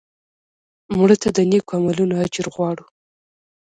مړه ته د نیکو عملونو اجر غواړو